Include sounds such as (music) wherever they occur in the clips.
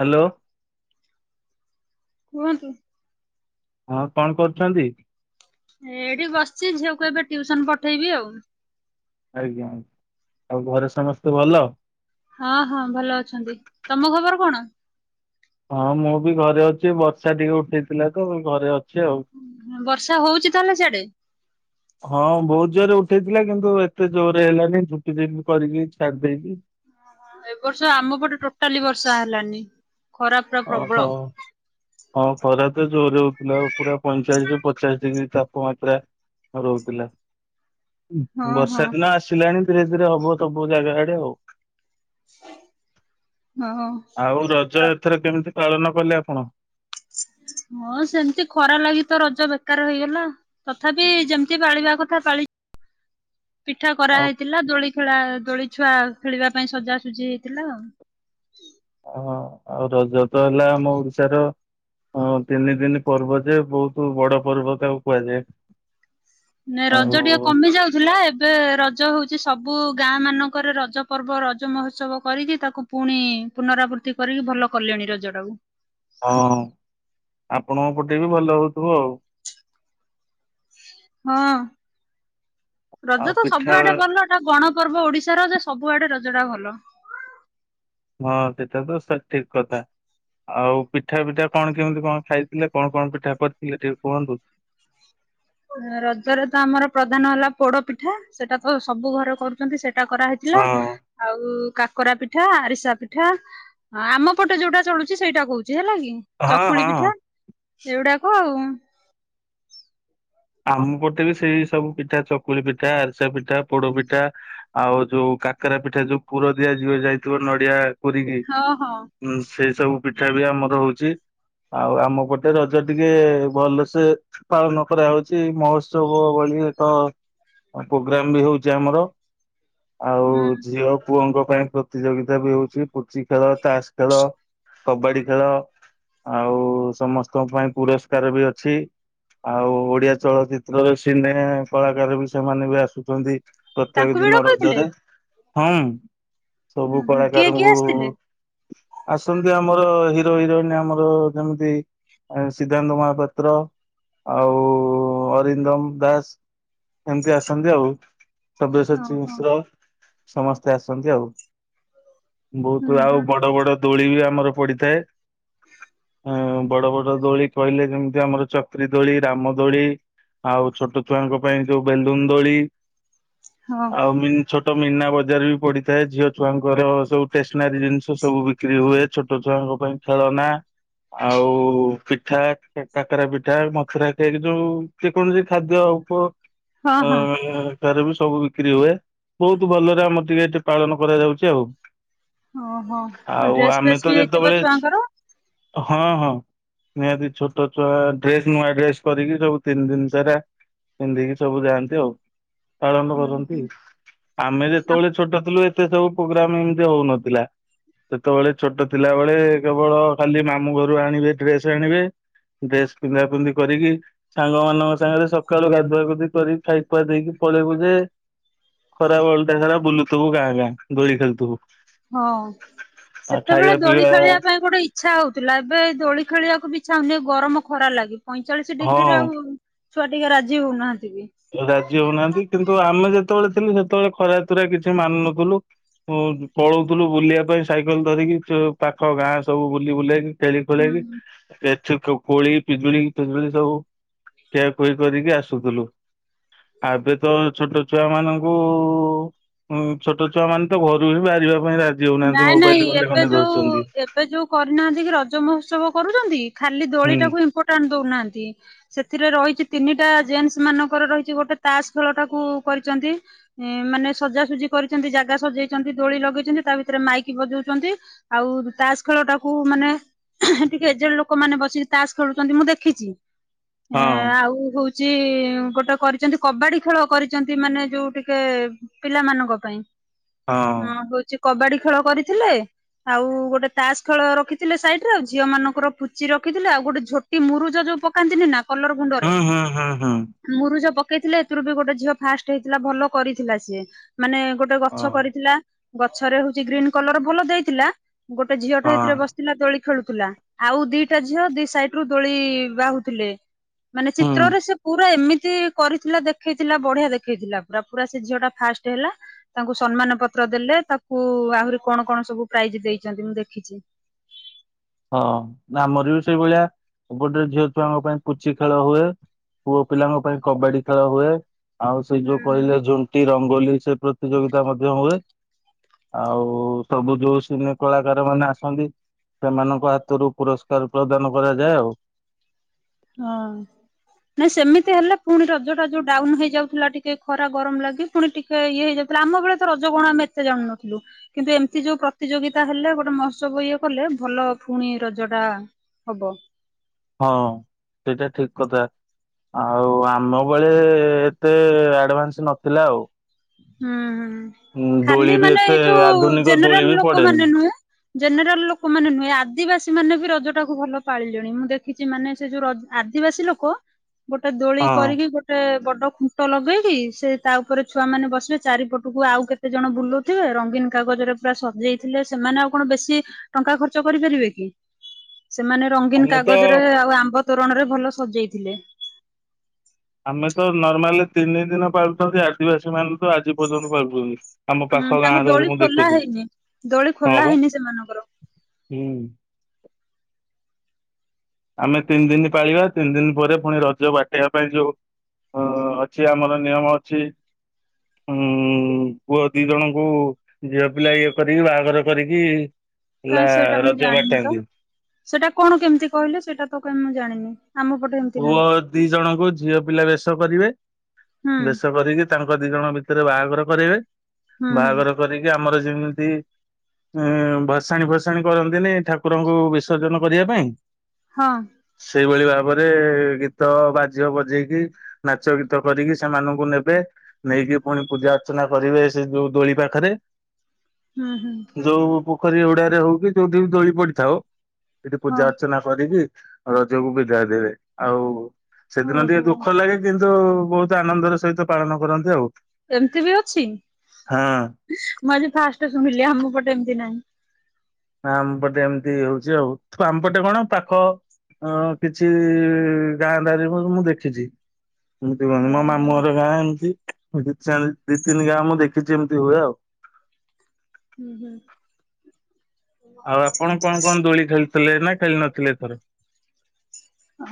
Hello. କୁହନ୍ତୁ। ହଁ କଣ କରୁଛନ୍ତି। ଏଇଠି ବସିଛି ଝିଅକୁ ଏବେ ଟିୟୁସନ୍ ପଠେଇବି ଆଉ। ଆଜ୍ଞା ଆଉ ଘରେ ସମସ୍ତେ ଭଲ। ହଁ ହଁ ଭଲ ଅଛନ୍ତି ତମ ଖବର କଣ। ହଁ ମୁଁ ବି ଘରେ ଅଛି ବର୍ଷା ଟିକେ ଉଠେଇଥିଲା ତ ଘରେ ଅଛି ଆଉ। ବର୍ଷା ହଉଚି ତାହେଲେ ସିଆଡେ। (inaudible) ହଁ ବହୁତ ଜୋରେ ଉଠେଇଥିଲା କିନ୍ତୁ ଏତେ ଜୋରେ ହେଲାନି ଝିପି ଝିପି କରିକି ଛାଡି ଦେଇଚି। ହଁ ଏ ବର୍ଷ ଆମ ପଟେ ଟୋଟାଲି ବର୍ଷା ହେଲାନି। ଖରା ପୁରା ପ୍ରବଳ। ଓହ। ହଁ ଖରା ତ ଜୋର ହଉଥିଲା ପୁରା ପଇଁଚାଳିଶ ପଚାଶ ଡିଗ୍ରୀ ତାପମାତ୍ରା ରହୁଥିଲା। ଉଁ ହଁ ହଁ ବର୍ଷା ଦିନ ଆସିଲାଣି ଧୀରେ ଧୀରେ ହବ ସବୁ ଜାଗା ଆଡେ ଆଉ। ହଁ। ଆଉ ରଜ ର- ଏଥର କେମିତି ପାଳନ କଲେ ଆପଣ। ହଁ ସେମିତି ଖରା ଲାଗି ତ ରଜ ବେକାର ହେଇଗଲା। ତଥାପି ଯେମିତି ପାଳିବା କଥା ପାଳି ପିଠା ଆଉ କରାହେଇଥିଲା ଦୋଳି ଖେଳା ଦୋଳି ଛୁଆ ଖେଳିବା ପାଇଁ ସଜାସୁଜି ହେଇଥିଲା ଆଉ। ହଁ ଆଉ ରଜ ତ ହେଲା ଆମ ଓଡିଶାର ହଁ ତିନି ଦିନି ପର୍ବ ଯେ ବହୁତ ବଡ ପର୍ବ ତାକୁ କୁହାଯାଏ। ନାଇଁ ରଜ ଟିଏ ଆଉ କମି ଯାଉଥିଲା। ଏବେ ରଜ ହଉଚି ସବୁ ଗାଁ ମାନଙ୍କରେ ରଜ ପର୍ବ ରଜ ମହୋତ୍ସବ କରିକି ତାକୁ ପୁଣି ପୁନରାବୃତ୍ତି କରିକି ଭଲ କଲେଣି ରଜ ଟାକୁ। ହଁ। ଆପଣଙ୍କ ପଟେ ବି ଭଲ ହଉଥିବ ଆଉ। ହଁ। ଆଉ ରଜ ତ ପିଠା ସବୁଆଡେ ଭଲ। ସେ ଗଣ ପର୍ବ ଓଡିଶାର ଯେ ସବୁଆଡେ ରଜଟା ଭଲ। ହଁ ସେଟା ତ ସେ ଠିକ କଥା। ଆଉ ପିଠା ପିଠା କଣ କେମିତି କଣ ଖାଇଥିଲେ? କଣ କଣ ପିଠା କରିଥିଲେ ଟିକେ କୁହନ୍ତୁ। ରଜରେ ତ ଆମର ପ୍ରଧାନ ହେଲା ପୋଡ ପିଠା। ସେଟା ତ ସବୁ ଘରେ କରୁଚନ୍ତି ସେଇଟା କରାହେଇ ହଁ ଥିଲା। ଆଉ କାକରା ପିଠା, ଆରିସା ପିଠା। ହଁ ଆମ ପଟେ ଯୋଉଟା ଚଳୁଚି ସେଇଟା କହୁଚି ହେଲା କି। ହଁ ଚକୁଳି ହଁ। ପିଠା ଏଇଉଗୁଡାକ ଆଉ। ଆମ ପଟେ ବି ସେଇ ସବୁ ପିଠା ଚକୁଳି ପିଠା, ଆରିସା ପିଠା, ପୋଡ ପିଠା। ଆଉ ଯୋଉ କାକରା ପିଠା ଯୋଉ ପୁର ଦିଆଯିବ ଯାଇଥିବ ନଡିଆ କୋରିକି। ହଁ ହଁ ହୁଁ ସେଇ ସବୁ ପିଠା ବି ଆମର ହଉଚି। ଆଉ ଆମ ପଟେ ରଜ ଟିକେ ଭଲସେ ପାଳନ କରାହଉଚି। ସେଇ ମହୋତ୍ସବ ଭଳି ଏକ ପ୍ରୋଗ୍ରାମ ବି ହଉଚି ଆମର। ଆଉ ହୁଁ ଝିଅ ପୁଅଙ୍କ ପାଇଁ ପ୍ରତିଯୋଗିତା ବି ହଉଚି। ପୁଚି ଖେଳ, ତାସ ଖେଳ, କବାଡି ଖେଳ। ଆଉ ସମସ୍ତଙ୍କ ପାଇଁ ପୁରସ୍କାର ବି ଅଛି। ଆଉ ଓଡିଆ ଚଳଚିତ୍ରରେ ସିନେ କଳାକାର ବି ସେମାନେ ବି ଆସୁଚନ୍ତି। ତାଙ୍କୁ ପ୍ରତ୍ୟେକ ବି ଦିନ ଡକଇଥିଲେ? ରଜରେ। ହଁଉଁ ହୁଁ ସବୁ ହୁଁ କିଏ କିଏ କଳାକାରଙ୍କୁ ଆସିଥିଲେ? ଆସନ୍ତି ଆମର ହିରୋ ହିରୋଇନ ଆମର ଯେମିତି ସିଦ୍ଧାନ୍ତ ମହାପାତ୍ର ଆଉ ଅରିନ୍ଦମ ଦାସ ଏମିତି ଆସନ୍ତି ଆଉ। ହଁ ସବ୍ୟସଚି ହଁ ମିଶ୍ର। ସମସ୍ତେ ଆସନ୍ତି ଆଉ। ହୁଁ ବହୁତ ଆଉ ହୁଁ ବଡ ବଡ ଦୋଳି ବି ଆମର ପଡିଥାଏ। ଉଁ ବଡ ବଡ ଦୋଳି କହିଲେ ଯେମିତି ଆମର ଚକ୍ରି ଦୋଳି, ରାମ ଦୋଳି। ଆଉ ଛୋଟ ଛୁଆଙ୍କ ପାଇଁ ଯୋଉ ବେଲୁନ ଦୋଳି। ହଁ ଆଉ ମି ଛୋ ତ ମୀନା ବଜାର ବି ପଡିଥାଏ ଝିଅ ଛୁଆଙ୍କର ସବୁ ଷ୍ଟେସନାରୀ ଜିନିଷ ସବୁ ବିକ୍ରି ହୁଏ। ଛୋଟ ଛୁଆଙ୍କ ପାଇଁ ଖେଳନା ଆଉ ପିଠା କେ କାକରା ପିଠା, ମଥୁରା କେକ ଯୋଉ ଯେ କୌଣସି ଖାଦ୍ୟ ଉପ ହଁ ହଁ ଆଁ କାରେ ବି ସବୁ ବିକ୍ରି ହୁଏ। ବହୁତ ଭଲରେ ଆମର ଟିକେ ଏଠି ପାଳନ କରାଯାଉଚି ଆଉ। ଓହୋ ଆଉ ଡ୍ରେସ୍ ଆମେ ଫ୍ରେସ୍ ତ ବି ହେଇଥିବ ଯେତେବେଳେ ଛୁଆଙ୍କର ହଁ ହଁ ନିହାତି ଛୋଟ ଛୁଆ। ଡ୍ରେସ୍ ନୂଆ ଡ୍ରେସ୍ କରିକି ସବୁ ତିନି ଦିନ ସାରା ପିନ୍ଧିକି ସବୁ ଯାଆନ୍ତି ଆଉ। ପାଳନ ହୁଁ କରନ୍ତି। ହୁଁ ଆମେ ଆ ଯେତେଳେ ଛୋଟ ଥିଲୁ ଏତେ ସବୁ ପ୍ରୋଗ୍ରାମ ଏମିତି ହଉନଥିଲା। ସେତେବେଳେ ଛୋଟ ଥିଲାବେଳେ କେବଳ ଖାଲି ମାମୁଁ ଘରୁ ଆଣିବେ ଡ୍ରେସ ଆଣିବେ। ଡ୍ରେସ ପିନ୍ଧା ପିନ୍ଧି କରିକି ସାଙ୍ଗ ମାନଙ୍କ ସାଙ୍ଗରେ ସକାଳୁ ଗାଧୁଆ ଗଧି କରି ଖାଇ ପଆ ଦେଇକି ପଳେଇବୁ ଯେ ଖରା ବେଳ ଟା ସାରା ବୁଲୁଥିବୁ ଗାଁ ଗାଁ ଦୋଳି ଖେଳୁଥିବୁ। ହଁ ଆଉ ସେତେବେଳେ ଖାଇବା ଦୋଳି ପିଇବା ଖେଳିବା ପାଇଁ ଗୋଟେ ଇଛ ଇ୍ଛା ହଉଥିଲା। ଏବେ ଦୋଳି ଖେଳିବାକୁ ବିଛ ହଉନି ଗରମ ଖରା ଲାଗେ ପଇଁଚାଳିଶ ଡିଗ୍ରୀରେ ହଁ ଆଉ ଛୁଆ ଟିକେ ରାଜି ହଉନାହାନ୍ତି ବି। ରାଜି ହଉନାହାନ୍ତି କିନ୍ତୁ ଆମେ ଯେତେବେଳେ ଥିଲୁ ସେତେବେଳେ ଖରା ତରା କିଛି ମାନୁ ନଥିଲୁ। ପଳଉଥିଲୁ ବୁଲିବା ପାଇଁ ସାଇକେଲ ଧରିକି। ପାଖ ଗାଁ ସବୁ ବୁଲି ବୁଲେଇକି। ଟେଲି ଖୁଲେଗି ହୁଁ ଏ ସେ କୋ କୋଳି ପିଜୁଳି ପିଜୁଳି ସବୁ ଖଠିଆକୁହି କରିକି ଆସୁଥିଲୁ। ଏବେ ତ ଛୋଟ ଛୁଆ ମାନଙ୍କୁ ଛୋଟ ଛୁଆ ମାନେ ତ ଘରୁ ହିଁ ବାହାରିବା ପାଇଁ ରାଜି ହଉନାହାନ୍ତି ନାଇଁ ମୋବାଇଲ ନାଇଁ ଖଣ୍ଡେ ଏବେ ଖଣ୍ଡେ ଯୋଉ ଧରୁଛନ୍ତି। ଏବେ ଯୋଉ କରିନାହାନ୍ତି କି ରଜ ମହୋତ୍ସବ କରୁଛନ୍ତି ଖାଲି ହୁଁ ଦୋଳିଟାକୁ ଇମ୍ପୋର୍ଟାଣ୍ଟ ଦଉନାହାନ୍ତି ସେଥିରେ ରହିଛି ତିନିଟା ଜେଣ୍ଟସ ମାନଙ୍କର ରହିଛି ଗୋଟେ ତାସ ଖେଳଟାକୁ କରିଛନ୍ତି ଏଁ ମାନେ ସଜାସଜି କରିଛନ୍ତି ଯାଗା ସଜେଇଛନ୍ତି ଦୋଳି ଲଗେଇଛନ୍ତି। ତା ଭିତରେ ମାଇକ ବଜଉଛନ୍ତି ଆଉ ତାସ ଖେଳଟାକୁ ମାନେ ଟିକେ ଏଜେଡ ଲୋକମାନେ ବସିକି ତାସ ଖେଳୁଛନ୍ତି ମୁଁ ଦେଖିଛି ଏ ହଁ ଆଉ ହଉ ଯେ ଗୋଟେ କରିଛନ୍ତି କବାଡି ଖେଳ କରିଛନ୍ତି ମାନେ ଯୋଉ ଟିକେ ପିଲାମାନଙ୍କ ପାଇଁ ହଁ ହଉଛି କବାଡି ଖେଳ କରିଥିଲେ। ଆଉ ଗୋଟେ ତାସ ଖେଳ ରଖିଥିଲେ ସାଇଡରେ ଆଉ ଝିଅ ମାନଙ୍କର ପୁଚି ରଖିଥିଲେ ଆଉ ଗୋଟେ ଝୋଟ ଝୋଟି ମୁରୁଜ ଯୋଉ ପକାନ୍ତିନି ନା କଲର ଗୁଣ୍ଡରେ ହୁଁ ହୁଁ ହୁଁ ହୁଁ। ମୁରୁଜ ପକେଇଥିଲେ ଏଥିରୁ ବି ଗୋଟେ ଝିଅ ଫାଷ୍ଟ ହେଇଥିଲା ଭଲ କରିଥିଲା ସିଏ ମାନେ ଗୋ ଗୋଟେ ଗଛ ହଁ କରିଥିଲା ଗଛରେ ହଉଛି ଗ୍ରୀନ୍ କଲର ଭଲ ଦେଇଥିଲା ଗୋଟେ ଝିଅଟେ ହଁ ସେଥିରେ ବ ଥିଲା ଦୋଳି ଖେଳୁଥିଲା ଆଉ ଦିଟା ଝିଅ ଦି ସାଇଡରୁ ଦୋଳି ବାହୁଥିଲେ। ମାନେ ହୁଁ ଚିତ୍ରରେ ସେ ପୁରା ଏମିତି କରିଥିଲା ଦେଖେଇଥିଲା ବଢିଆ ଦେଖେଇଥିଲା ପୁରା ପୁରା ସେ ଝିଅ ଟା ଫାଷ୍ଟ ହେଲା। ତାଙ୍କୁ ସମ୍ମାନ ପତ୍ର ଦେଲେ ତାକୁ ଆହୁରି କଣ କଣ ସବୁ ପ୍ରାଇଜ ଦେଇଛନ୍ତି ମୁଁ ଦେଖିଛି। ହଁ ଆମର ବି ସେଇଭଳିଆ ଗୋଟେ ଝିଅ ଛୁଆଙ୍କ ପାଇଁ ପୁଚି ଖେଳ ହୁଏ। ପୁଅ ପିଲାଙ୍କ ପାଇଁ କବାଡି ଖେଳ ହୁଏ ଆଉ ସେଇ ଯୋଉ ହୁଁ କହିଲେ ଯୋଉ ଝୋଟି ରଙ୍ଗୋଲି ସେ ପ୍ରତିଯୋଗିତା ମଧ୍ୟ ହୁଏ। ଆଉ ସବୁ ଯୋଉ ସିନେ କଳାକାର ମାନେ ଆସନ୍ତି। ସେମାନଙ୍କ ହାତରୁ ପୁରସ୍କାର ପ୍ରଦାନ କରାଯାଏ ଆଉ ହଁ। ନାଇଁ ସେମିତି ହେଲେ ପୁଣି ରଜଟା ଯୋଉ ଡାଉନ ହେଇଯାଉଥିଲା ଟିକେ ଖରା ଗରମ ଲାଗି ପୁଣି ଟିକେ ଇଏ ହେଇଯାଉଥିଲା ଆମ ବେଳେ ତ ରଜ କଣ ଆମେ ଏତେ ଜାଣୁନଥିଲୁ? କିନ୍ତୁ ଏମିତି ଯୋଉ ପ୍ରତିଯୋଗିତା ହେଲା ଗୋଟେ ମହୋତ୍ସବ ଇଏ କଲେ ଭଲ ଫୁଣି ରଜଟା ହବ। ହଁ ସେଇଟା ଠିକ କଥା। ଆଉ ଆମ ବେଳେ ଏତେ ଆଡଭାନ୍ସ ନଥିଲା ଆଉ ହୁଁ ଦୋଳି ଖାଲି ବି ମାନେ ଏତେ ଏ ଯୋଉ ଆଧୁନିକ ଦୋଳି ଜେନେରାଲ ବି ଲୋକ ପଡେନି ମାନେ ନୁହୁଁ ଜେନେରାଲ ଲୋକମାନେେ ନୁହେଁ ଆଦିବାସୀ ମାନେ ବି ରଜଟାକୁ ଭଲ ପାଳିଲେଣି ମୁଁ ଦେଖି ଚି ମାନେ ସେ ଯୋଉ ଆଦିବାସୀ ଲୋକ ଗୋଟେ ଦୋଳି ହଁ କରିକି ଗୋଟେ ବଡ ଖୁଣ୍ଟ ଲଗେଇକି ସେ ତା ଉପରେ ଛୁଆମାନେ ବସିବେ ଚାରିପଟକୁ ଆଉ କେତେ ଜଣ ବୁଲଉଥିବେ ରଙ୍ଗୀନ କାଗଜରେ ପୁରା ସଜେଇ ଥିଲେ ସେମାନେ ଆଉ କଣ ବେଶି ଟଙ୍କା ଖର୍ଚ୍ଚ କରିପାରିବେ କି ସେମାନେ ରଙ୍ଗୀନ ଆମେ ତ କାଗଜରେ ଆଉ ଆମ୍ବ ତୋରଣରେ ଭଲ ସଜେଇଥିଲେ। ଆମେ ତ ନର୍ମାଲି ତିନି ଦିନ ପାଳୁଛନ୍ତି ଆଦିବାସୀମାନେ ତ ଆଜି ପର୍ଯ୍ୟନ୍ତ ପାଳୁଛନ୍ତି। ଆମ ହୁଁ ପାଖ ତାଙ୍କ ଗାଁରେ ଦୋଳି ଏବେ ମୁଁ ଖୋଲା ଦେଖୁଛି ହେଇନି ଦୋଳି ହଁ ଖୋଲା ବା ହେଇନି ସେମାନଙ୍କର ହୁଁ। ଆମେ ତିନି ଦିନି ପାଳିବା ତିନି ଦିନି ପରେ ପୁଣି ରଜ ବାଟେଇବା ପାଇଁ ଯୋଉ ହଁ ଅଛି ଆମର ନିୟମ ଅଛି। ଉଁ ପୁଅ ଦି ଜଣଙ୍କୁ ଝିଅ ପିଲା ଇଏ କରିକି ବାହାଘର କରିକି କାଇଁ ହେଲା ମୁଁ ରଜ ଜାଣିନି ତ। ବାଟାନ୍ତି। ସେଇଟା କଣ କେମିତି କହିଲେ ସେଇଟା ତ କାଇଁ ମୁଁ ଜାଣିନି? ଆମ ପଟେ ଏ ପୁଅ ଦି ଜଣଙ୍କୁ ଝିଅ ପିଲା ବେଶ କରିବେ ହୁଁ ବେଶ କରିକି ତାଙ୍କ ଦି ଜଣଙ୍କ ଭିତରେ ବାହାଘର କରିବେ ହୁଁ ହୁଁ ବାହାଘର କରିକି ଆମର ଯେମିତି ଇଁ ଭସାଣି ଫସାଣି କରନ୍ତିନି ଠାକୁରଙ୍କୁ ବିସର୍ଜନ କରିବା ପାଇଁ। ହଁ। ସେଇଭଳି ଭା ପରେ ଗୀତ ବାଜିବ ବଜେଇକି ନାଚ ଗୀତ କରିକି ସେମାନଙ୍କୁ ନେବେ। ନେଇକି ପୁଣି ପୂଜା ଅର୍ଚ୍ଚନା କରିବେ ସେ ଯୋଉ ଦୋ ଦୋଳି ପାଖରେ। ହୁଁ ହୁଁ। ଯୋଉ ପୋଖରୀ ହୁଡାରେ ହଉ କିି ଯୋଉଠି ବି ଦୋଳି ପଡିଥାଉ ସେଠି ହଁ ପୂଜା ଅର୍ଚ୍ଚନା କରିକି ରଜକୁ ବିଦାୟ ଦେବେ ଆଉ ସେଦିନ ଓହୋ। ଟିକେ ଦୁଃଖ ଲାଗେ। କିନ୍ତୁ ବହୁତ ଆନନ୍ଦର ସହିତ ପାଳନ କରନ୍ତି ଆଉ। ଏମତି ବି ଅଛି ହଁ। ମୁଁ ଆଜି ଫାଷ୍ଟ ଶୁଣିଲି ଆମ ପଟେ ଏମିତି ନାହିଁ। ଆମପଟେ ଏମିତି ହଉଛି ଆଉ ଆମପଟେ କଣ ପାକ ଅଁ କିଛି ଗାଁ ଦାରି ମୁଁ ମୁଦେଖିଚି। ଏମତି ହଁ କୁହନି ମୋ ହଁ ମାମୁଁ ଘର ଗାଁ ଏମିତି। ଦି ଚାରି ଦି ତିନି ଗାଁ ମୁଁ ଦେଖିଚି ଏମିତି ହୁଏ ଆଉ। ହୁଁ ହୁଁ। ଆଉ ଆପଣ କଣ କଣ ଦୋଳି ଖେଳିଥିଲେ ନା ଖେଳି ନଥିଲେ ଏଥର?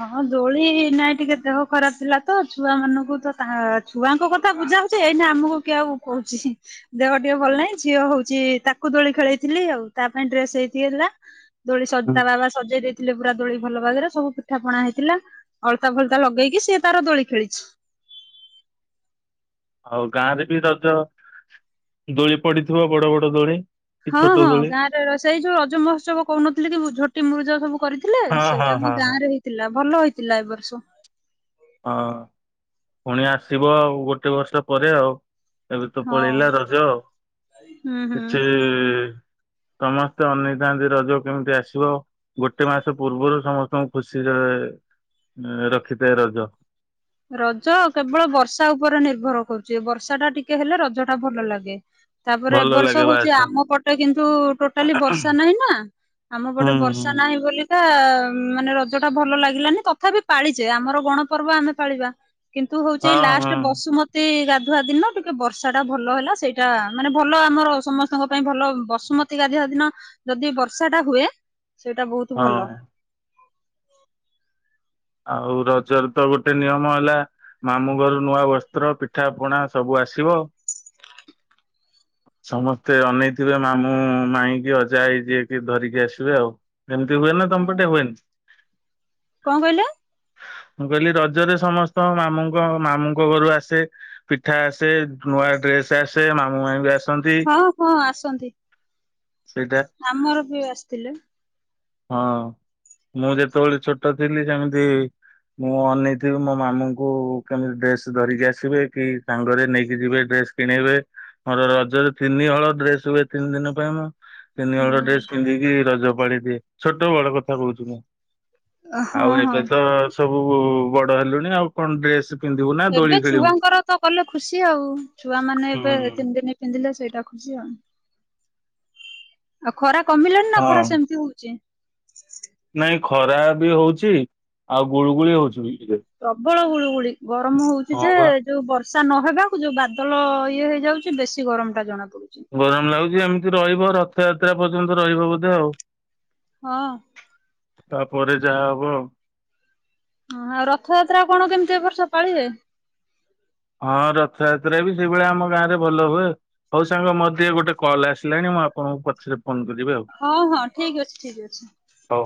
ହଁ ଦୋଳି ନାଇଁ ଟିକେ ଦେହ ଖରାପ ଥିଲା ତ ଛୁଆ ମାନଙ୍କୁ ତ ତା ଛୁଆଙ୍କ କଥା ବୁଝା ହଉଚି ଏଇନା ଆମକୁ କିଏ ଆଉ କହୁଚି। ଦେହ ଟିକେ ଭଲ ନାଇଁ ଝିଅ ହଉଚି ତାକୁ ଦୋଳି ଖେଳେଇଥିଲି ଆଉ ତା ପାଇଁ ଡ୍ରେସ ଏଇଟି ହେଲା। ଦୋଳି ହୁଁ। ସଜାରଆ ହେଲା ସଜେଇ ଦେଇଥିଲେ ପୁରା ଦୋଳି ଭଲ ଭାବରେ ସବୁ ପିଠାପଣା ହେଇଥିଲା ଅଳତା ଫଳତା ଲଗେଇକି ସିଏ ତାର ଦୋଳି ଖେଳିଚି। ଆଉ ଗାଁରେ ବି ରଜ ଦୋଳି ପଡିଥିବ ବଡ ବଡ ଦୋଳି। କି ହଁ ଛୋଟ ହଁ ଦୋଳି? ଗାଁରେ ସେଇ ଯଉ ରଜ ମହୋତ୍ସବ କହୁନଥିଲି କି ଝୋଟି ମୁରୁଜ ସବୁ କରି ଥିଲେ ହଁ ହଁ ସେଇଟା ଆମ ହଁ ଗାଁ ହଁ ରେ ହେଇଥିଲା ଭଲ ହେଇଥିଲା ଏ ବର୍ଷ। ହଁ ପୁଣି ଆସିବ ଆଉ ଗୋଟେ ବର୍ଷ ପରେ ଆଉ। ଏବେ ତ ହଁ ପଳେଇଲା ରଜ ହୁଁ ହୁଁ। କିଛି ସମସ୍ତେ ଅନେଇଥାନ୍ତି ରଜ କେମିତି ଆସିବ। ଗୋଟେ ମାସ ପୂର୍ବରୁ ସମସ୍ତଙ୍କୁ ଖୁସିରେ ଏ ରଖିଥାଏ ରଜ। ରଜ କେବଳ ବର୍ଷା ଉପରେ ନିର୍ଭର କରୁଛି ବର୍ଷା ଟା ଟିକେ ହେଲେ ରଜ ଟା ଭଲ ଲାଗେ। ତାପରେ ଭଲ ଏବ ବର୍ଷ ଲାଗେ ହଉଛି ବାସ ଆମ ପଟେ କିନ୍ତୁ ଟୋଟାଲି ବର୍ଷା ନାହିଁ ନା। ଆମ ପଟେ ହୁଁ ବର୍ଷା ହୁଁ। ନାହିଁ ବୋଲି। ମାନେ ରଜ ଟା ଭଲ ଲାଗିଲାନି ତଥାପି ପାଳିଛେ ଆମର ଗଣପର୍ବ ଆମେ ପାଳିବା। କିନ୍ତୁ ହଉଚିଏଇ ହଁ ହଁ ଲାଷ୍ଟ ବସୁମ ତି ଗାଧୁଆ ଦିନ ଟିକେ ବର୍ଷା ଟା ଭଲ ହେଲା ସେଇଟା ମାନେ ଭଲ ଆମର ସମସ୍ତଙ୍କ ପାଇଁ ଭଲ ବସୁମତୀ ତି ଗାଧୋଇବା ଦିନ ଯଦି ବର୍ଷା ଟା ହୁଏ ସେଇଟା ବହୁତ ହଁ ଭଲ। ଆଉ ରଜରେ ତ ଗୋଟେ ନିୟମ ହେଲା ମାମୁଁ ଘରୁ ନୂଆ ବସ୍ତ୍ର ପିଠା ପଣା ସବୁ ଆସିବ। ସମସ୍ତେ ଅନେଇଥିବେ ମାମୁଁ ମାଇଁକି ଅଜାଆଈ ଯିଏ କି ଧରିକି ଆସିବେ ଆଉ। ଏମିତି ହୁଏନା ତମ ପଟେ ହୁଏନି? କଁ କହିଲେ? ମୁଁ କହିଲି ରଜରେ ସମସ୍ତ ମାମୁଙ୍କ ମାମୁଁଙ୍କ ଘରୁ ଆସେ। ପିଠା ଆସେ ନୂଆ ଡ୍ରେସ୍ ଆସେ ମାମୁଁ ମାଇଁ ବି ଆସ ହଁ -ହଁ ଆସନ୍ତି ସେଇଟା ଆମର ବି ଆସିଥିଲେ। ହଁ ମୁଁ ଯେତେବେଳେ ଛୋଟ ଥିଲି ସେମିତି ମୁଁ ଅନେଇଥିବି ମୋ ମାମୁଁଙ୍କୁ କେମିତି ଡ୍ରେସ୍ ଧରିକି ଆସିବେ କି ସାଙ୍ଗରେ ନେଇକି ଯିବେ ଡ୍ରେସ୍ କିଣେଇବେ ମୋର ରଜରେ ତିନି ହଳ ଡ୍ରେସ୍ ହୁଏ ତିନି ଦିନ ପାଇଁ ମୁଁ ତିନି ହଳ ହୁଁ। ଡ୍ରେସ୍ ପିନ୍ଧିକି ରଜ ପାଳି ଦିଏ। ଛୋଟ ବଳ କଥା କହୁଚି ମୁଁ। ଅ- ହଁ ଆଉ -ହଁ। ଏବେ ତ ସବୁ ବଡ ହେଲୁଣି ଆଉ କଣ ଡ୍ରେସ୍ ଏବେ ଛୁଆଙ୍କର ତ କଲେ ଖୁସି ଆଉ ଛୁଆମାନେ ଏବେ ହୁଁ ତିନି ଦିନି ପିନ୍ଧିଲେ ସେଇଟା ଖୁସି ଆଉ। ଆଉ ଖରା କମିଲାଣି ନା ହଁ ଖରା ସେମିତି ହଉଚି? ନାଇଁ ଖରା ବି ହଉଚି ଆଉ ଗୁଳୁଗୁଳି ହଉଚି ବି ଟିକେ ପ୍ରବଳ ଗୁଳୁଗୁଳି ଗରମ୍ ହଉଚି ହଁ ଯେ ବା ଏ ବର୍ଷା ନହେବାକୁ ଯୋଉ ବାଦଲ ଇଏ ହେଇଯାଉଚି ବେଶୀ ଗରମ୍ ଟା ଜଣା ପଡୁଚି। ଗରମ୍ ଲାଗୁଚି ଏମିତି ରହିବ ରଥଯାତ୍ରା ପର୍ଯ୍ୟନ୍ତ ରହିବ ବୋଧେ ଆଉ। ହଁ। ତାପରେ ଯାହା ହବ ଆଉ। ହଁ ଆଉ ରଥଯାତ୍ରା କଣ କେମିତି ଏବର୍ଷ ପାଳିବେ? ହଁ ରଥଯାତ୍ରା ବି ସେଇଭଳିଆ ଆମ ଗାଁ ରେ ଭଲ ହୁଏ। ହଉ ସାଙ୍ଗ ମର୍ ଟିକେ ଗୋଟେ କଲ୍ ଆସିଲାଣି ମୁଁ ଆପଣଙ୍କୁ ପଛରେ ଫୋନ୍ କରିବି ଆଉ। ହଁ ହଁ ଠିକ୍ ଅଛି ଠିକ୍ ଅଛି। ହଉ।